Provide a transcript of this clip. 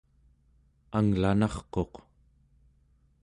anglanarquq